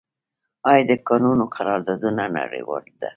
آیا د کانونو قراردادونه نړیوال دي؟